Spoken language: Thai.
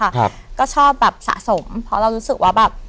ครับก็ชอบแบบสะสมเพราะเรารู้สึกว่าแบบ